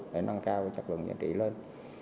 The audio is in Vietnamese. để nâng cao cái chất lượng giá trị lên